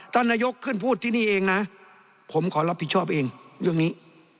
นายกขึ้นพูดที่นี่เองนะผมขอรับผิดชอบเองเรื่องนี้